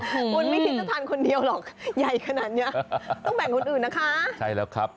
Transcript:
พลไม่คิดถ้าทานคนเดียวหรอกเย้ยขนาดนี้ต้องแบ่งคนอื่นนะคะ